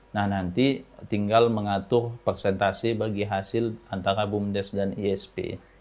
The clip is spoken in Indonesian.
nah nanti tinggal mengatur persentase bagi hasil antara bumdes dan isp